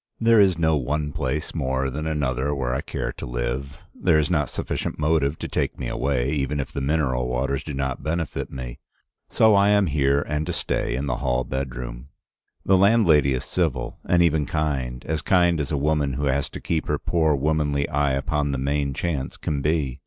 There is no one place more than another where I care to live. There is not sufficient motive to take me away, even if the mineral waters do not benefit me. So I am here and to stay in the hall bedroom. The landlady is civil, and even kind, as kind as a woman who has to keep her poor womanly eye upon the main chance can be.